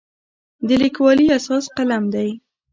د لیکوالي اساس قلم دی.